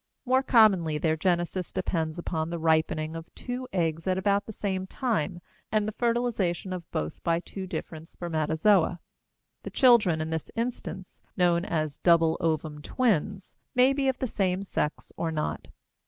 More commonly their genesis depends upon the ripening of two eggs at about the same time and the fertilization of both by two different spermatozoa. The children, in this instance known as double ovum twins, may be of the same sex or not.